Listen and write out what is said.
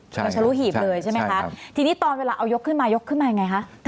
มันทะลุหีบเลยใช่ไหมคะทีนี้ตอนเวลาเอายกขึ้นมายกขึ้นมายังไงคะ